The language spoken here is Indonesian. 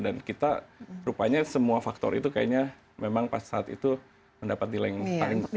dan kita rupanya semua faktor itu kayaknya memang saat itu mendapat nilai yang paling tinggi